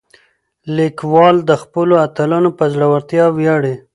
لیکوال د خپلو اتلانو په زړورتیا ویاړي.